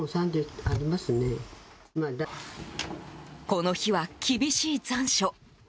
この日は厳しい残暑。